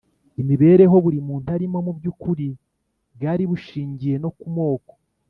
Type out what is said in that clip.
imibereho buri muntu arimo, mu by’ukuri bwari bushingiye no ku moko.